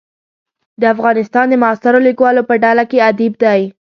د افغانستان د معاصرو لیکوالو په ډله کې ادیب دی.